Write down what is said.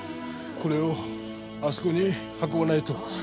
これをあそこに運ばないと。